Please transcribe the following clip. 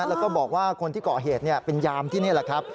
แล้วก็บอกว่าคนที่เกาะเหตุเป็นยามที่นี่แหละครับ